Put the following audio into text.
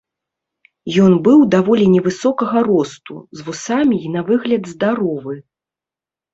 Ён быў даволі невысокага росту, з вусамі і на выгляд здаровы.